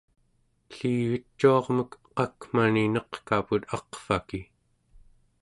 ellivicuarmek qakmani neqkaput aqvaki